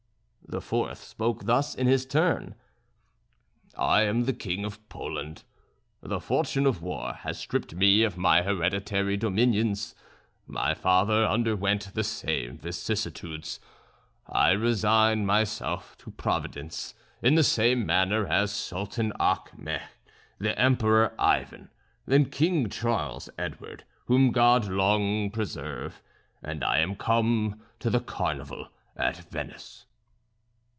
The fourth spoke thus in his turn: "I am the King of Poland; the fortune of war has stripped me of my hereditary dominions; my father underwent the same vicissitudes; I resign myself to Providence in the same manner as Sultan Achmet, the Emperor Ivan, and King Charles Edward, whom God long preserve; and I am come to the Carnival at Venice."